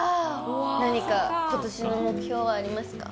何かことしの目標はあります